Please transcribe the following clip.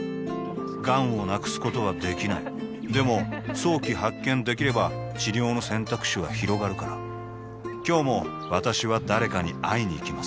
がんを無くすことはできないでも早期発見できれば治療の選択肢はひろがるから今日も私は誰かに会いにいきます